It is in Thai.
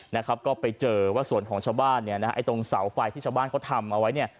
นะครับก็ไปเจอว่าส่วนของชาวบ้านเนี่ยนะฮะไอ้ตรงเสาไฟที่ชาวบ้านเขาทำเอาไว้เนี่ย